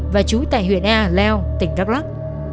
và trú tại huyện a leo tỉnh đắk lắc